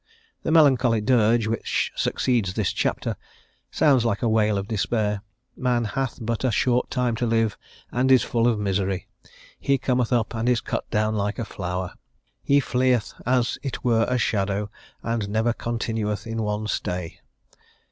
The melancholy dirge which succeeds this chapter sounds like a wail of despair: man "hath but a short time to live and is full of misery. He cometh up and is cut down like a flower; he fleeth as it were a shadow, and never continueth in one stay."